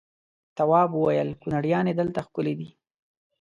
تواب وويل: کنریانې دلته ښکلې دي.